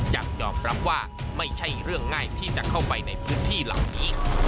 ยังยอมรับว่าไม่ใช่เรื่องง่ายที่จะเข้าไปในพื้นที่เหล่านี้